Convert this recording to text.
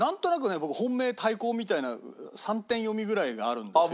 僕本命対抗みたいな３点読みぐらいがあるんですよ。